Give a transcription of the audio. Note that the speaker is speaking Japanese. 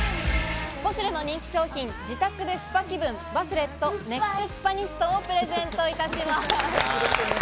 ポシュレの人気商品、自宅でスパ気分、バスレットネックスパニストをプレゼントいたします。